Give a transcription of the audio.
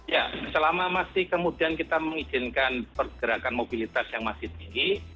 ya selama masih kemudian kita mengizinkan pergerakan mobilitas yang masih tinggi